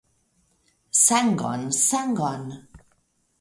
Sangon, sangon!